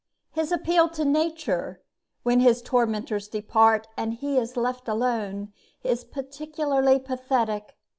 His appeal to Nature, when his tormentors depart and he is left alone, is peculiarly pathetic.